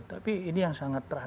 tapi ini yang sangat terah